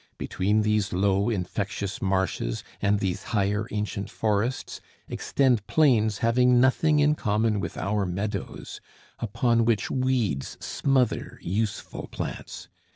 Between these low infectious marshes and these higher ancient forests extend plains having nothing in common with our meadows, upon which weeds smother useful plants.